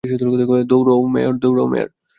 দৌড়ও, মেয়ার!